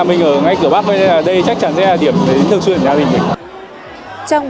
nhà mình ở ngay cửa bắc nên đây chắc chắn sẽ là điểm để thương xuyên nhà mình